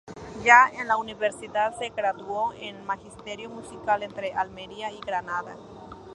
Ya en la universidad se graduó en Magisterio Musical entre Almería y Granada.